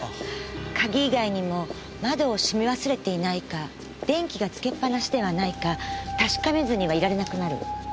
鍵以外にも窓を閉め忘れていないか電気がつけっ放しではないか確かめずにはいられなくなる。